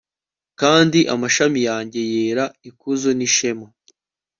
kandi amashami yanjye yera ikuzo n'ishema